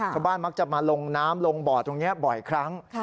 ชาวบ้านมักจะมาลงน้ำลงบ่อตรงนี้บ่อยครั้ง